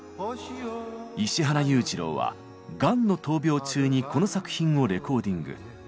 石原裕次郎はがんの闘病中にこの作品をレコーディング。